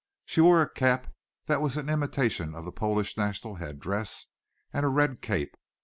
She wore a cap that was an imitation of the Polish national head dress, and a red cape.